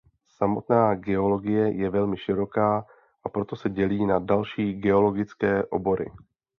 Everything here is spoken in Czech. Samotná geologie je velmi široká a proto se dělí na další geologické obory.